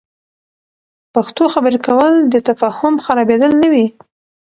پښتو خبرې کول، د تفهم خرابیدل نه وي.